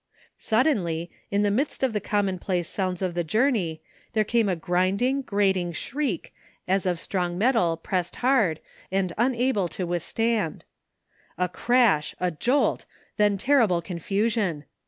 Suddenly, in the midst of the commonplace sounds of the journey there came a grinding, grating shriek as of strong metal hard pressed and imable to with 27; THE FINDING OF JASPER HOLT stand. A crash, a jolt, then terrible confusion.